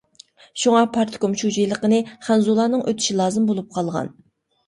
شۇڭا پارتكوم شۇجىلىقىنى خەنزۇلارنىڭ ئۆتۈشى لازىم بولۇپ قالغان.